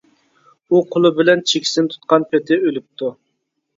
ئۇ قولى بىلەن چېكىسىنى تۇتقان پېتى ئۆلۈپتۇ.